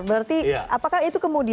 berarti apakah itu kemudiannya